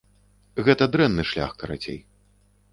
Гэта дрэнны шлях, карацей.